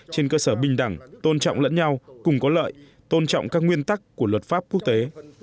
trên cơ sở bình đẳng tôn trọng lẫn nhau cùng có lợi tôn trọng các nguyên tắc của luật pháp quốc tế